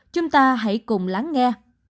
chúng ta hãy cùng lắng nghe